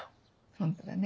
ホントだね。